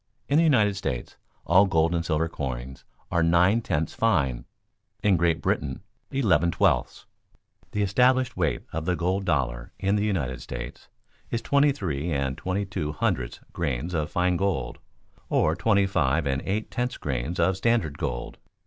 In the United States all gold and silver coins are nine tenths fine; in Great Britain, eleven twelfths. The established weight of the gold dollar in the United States is twenty three and twenty two hundredths grains of fine gold or twenty five and eight tenths grains of standard gold.